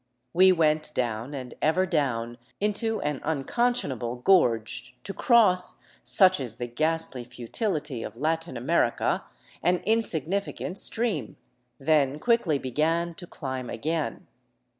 We went down and ever down into an unconscionable gorge, to cross — such is the ghastly futility of Latin America — an insignificant stream ; then quickly began to climb again.